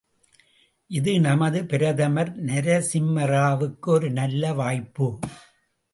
இது நமது பிரதமர் நரசிம்மராவுக்கு ஒரு நல்ல வாய்ப்பு.